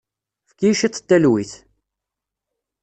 Efk-iyi cwiṭ n talwit.